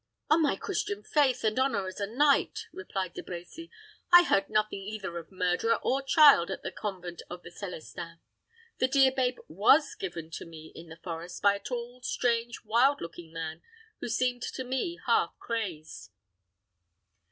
"On my Christian faith, and honor as a knight," replied De Brecy, "I heard nothing either of murderer or child at the convent of the Celestins. The dear babe was given to me in the forest by a tall, strange, wild looking man, who seemed to me half crazed."